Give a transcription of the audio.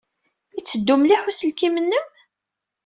Yetteddu mliḥ uselkim-nnem?